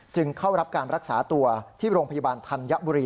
เข้ารับการรักษาตัวที่โรงพยาบาลธัญบุรี